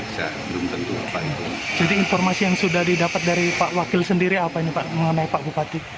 jadi informasi yang sudah didapat dari pak wakil sendiri apa ini mengenai pak bupati